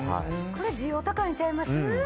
これは需要高いんちゃいます？